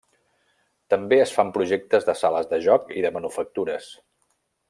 També es fan projectes de sales de joc i de manufactures.